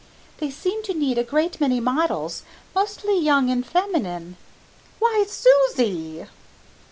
They seem to need a great many models, mostly young and feminine " "Why, Susie!"